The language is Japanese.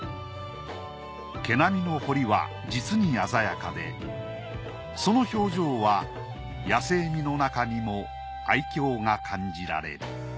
毛並みの彫りは実に鮮やかでその表情は野性味の中にも愛嬌が感じられる。